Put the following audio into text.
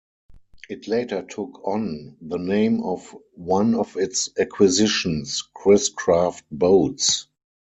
It later took on the name of one of its acquisitions, Chris-Craft Boats.